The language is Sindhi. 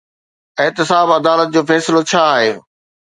احتساب عدالت جو فيصلو ڇا آهي؟